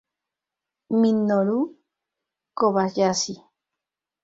Minoru Kobayashi